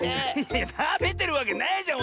いやたべてるわけないじゃん！